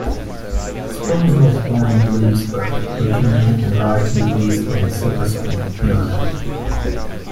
Springs was born in Williamsburg, Virginia, and largely raised in Silver Spring, Maryland.